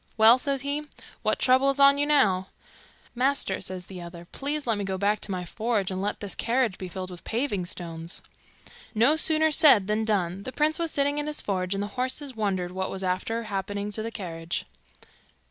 'Well,' says he, 'what trouble is on you now?' 'Master,' says the other, 'please let me go back to my forge, and let this carriage be filled with paving stones.' No sooner said than done. The prince was sitting in his forge, and the horses wondered what was after happening to the carriage.